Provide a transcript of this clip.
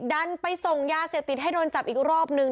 ดันไปส่งยาเสพติดให้โดนจับอีกรอบนึง